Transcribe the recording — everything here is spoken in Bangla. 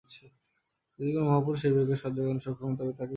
যদি কোন মহাপুরুষ এ-বিষয়ে সাহায্য করতে সক্ষম হন, তবে তাঁকেই পূজা কর।